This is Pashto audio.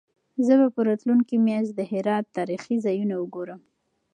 زه به راتلونکې میاشت د هرات تاریخي ځایونه وګورم.